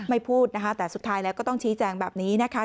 พูดนะคะแต่สุดท้ายแล้วก็ต้องชี้แจงแบบนี้นะคะ